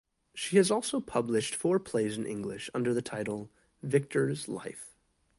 She has also published four plays in English, under the title "Victor's Life".